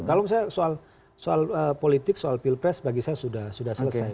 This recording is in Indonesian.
kalau misalnya soal politik soal pilpres bagi saya sudah selesai